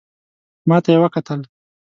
ماته یې وکتل .